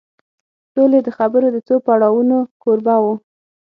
سولې د خبرو د څو پړاوونو کوربه و